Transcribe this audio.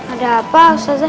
ada apa ustazah